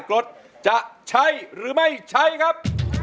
กรดจะใช้หรือไม่ใช้ครับ